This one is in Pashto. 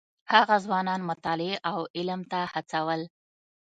هغه ځوانان مطالعې او علم ته هڅول.